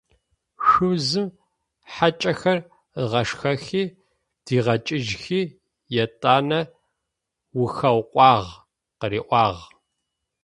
Шъузым хьакӏэхэр ыгъашхэхи, дигъэкӏыжьхи, етӏанэ «ухэукъуагъ!» къыриӏуагъ.